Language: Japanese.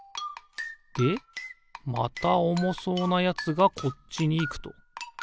でまたおもそうなやつがこっちにいくと。